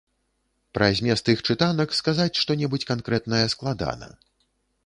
Пра змест іх чытанак сказаць што-небудзь канкрэтнае складана.